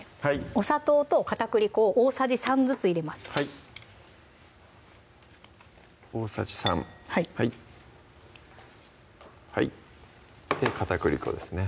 お砂糖と片栗粉を大さじ３ずつ入れますはい大さじ３はいで片栗粉ですね